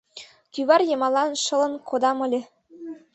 Кӱвар йымалан шылын кодам ыле.